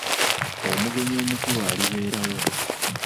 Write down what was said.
Omugenyi omukulu alibeerawo.